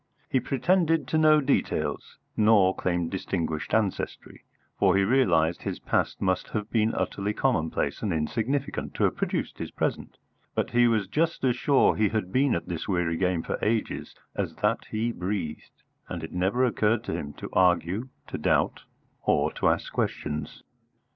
He pretended to no details, nor claimed distinguished ancestry, for he realised his past must have been utterly commonplace and insignificant to have produced his present; but he was just as sure he had been at this weary game for ages as that he breathed, and it never occurred to him to argue, to doubt, or to ask questions.